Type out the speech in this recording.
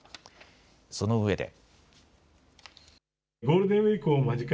そのうえで。